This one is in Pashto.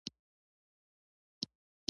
چي شرنګیږي په رباب کي جوړه مسته ترانه سي